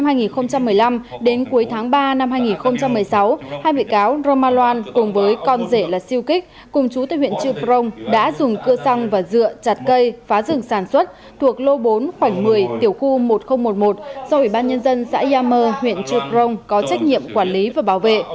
từ tháng chín năm hai nghìn một mươi năm đến cuối tháng ba năm hai nghìn một mươi sáu hai bị cáo rơ ma loan cùng với con rể là siêu kích cùng chú tên huyện chư prong đã dùng cưa xăng và dựa chặt cây phá rừng sản xuất thuộc lô bốn khoảnh một mươi tiểu khu một mươi nghìn một trăm một mươi một do ủy ban nhân dân xã yammer huyện chư prong có trách nhiệm quản lý và bảo vệ